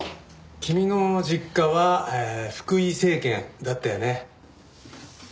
君の実家は福井精研だったよね。